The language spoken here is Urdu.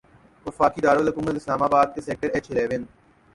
وفاقی دارالحکومت اسلام آباد کے سیکٹر ایچ الیون